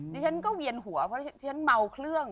ดิฉันก็เวียนหัวเพราะฉันเมาเครื่อง